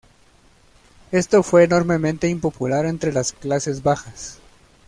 Esto fue enormemente impopular entre las clases bajas.